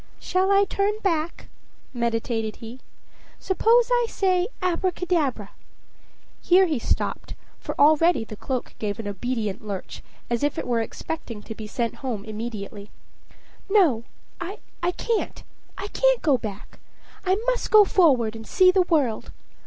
"Shall I turn back?" meditated he. "Suppose I say 'Abracadabra?'" Here he stopped, for already the cloak gave an obedient lurch, as if it were expecting to be sent home immediately. "No I can't I can't go back! I must go forward and see the world.